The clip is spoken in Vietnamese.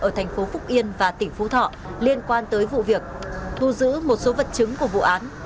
ở thành phố phúc yên và tỉnh phú thọ liên quan tới vụ việc thu giữ một số vật chứng của vụ án